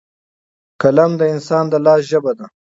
قلم د انسان د لاس ژبه ده.